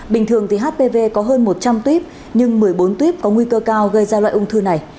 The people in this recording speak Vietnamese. bình thường thì hpv có hơn một trăm linh tuyếp nhưng một mươi bốn tuyếp có nguy cơ cao gây ra loại ung thư này